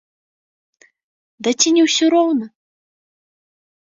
Ды ці не ўсё роўна?